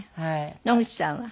野口さんは？